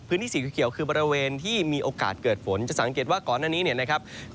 สีเขียวคือบริเวณที่มีโอกาสเกิดฝนจะสังเกตว่าก่อนอันนี้เนี่ยนะครับ